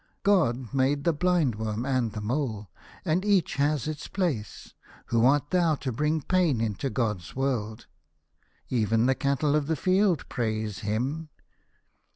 God made the blind worm and the mole, and each has its place. Who art thou to bring pain into God's world ? Even the cattle of the field praise Him."